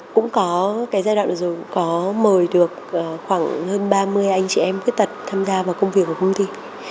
cũng có giai đoạn được mời được khoảng hơn ba mươi anh chị em khuyết tật tham gia vào công việc của công ty